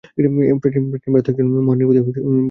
প্রাচীন ভারতে একজন মহান নৃপতি ছিলেন।